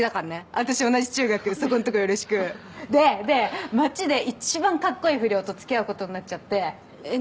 私同じ中学そこんとこよろしくでで町で一番かっこいい不良とつきあうことになっちゃってえっ